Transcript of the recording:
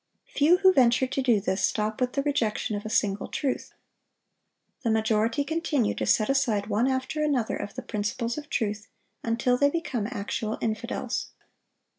Few who venture to do this stop with the rejection of a single truth. The majority continue to set aside one after another of the principles of truth, until they become actual infidels.